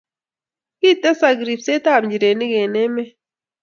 Kitesak ribsetab nchirenik eng' emet.